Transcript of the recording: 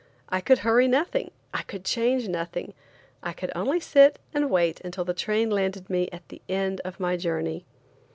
I could hurry nothing, I could change nothing; I could only sit and wait until the train landed me at the end of my journey.